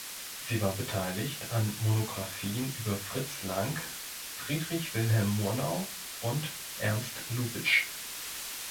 Sie war beteiligt an Monographien über Fritz Lang, Friedrich Wilhelm Murnau und Ernst Lubitsch.